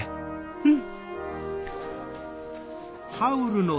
うん。